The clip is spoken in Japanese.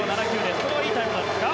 これはいいタイムでしょうか？